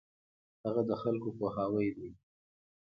هغه د خلکو پوهاوی دی.